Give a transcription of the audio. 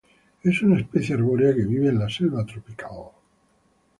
Es una especie arbórea que vive en la selva tropical.